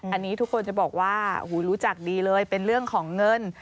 อันนี้ทุกคนจะบอกว่ารู้จักดีเลยเป็นเรื่องของเงิน